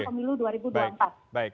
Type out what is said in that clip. pemilu dua ribu dua puluh empat baik baik